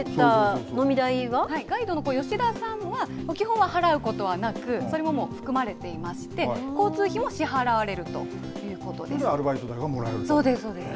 ガイドの吉田さんは、基本は払うことはなく、それも含まれていまして、交通費も支払われるとそれでアルバイト代がもらえそうです、そうです。